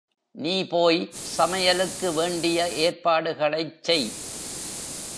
நீ போய் சமயலுக்கு வேண்டிய ஏற்பாடுகளைச் செய்.